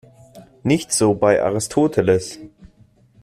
Nicht so bei Aristoteles.